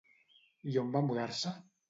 I on va mudar-se?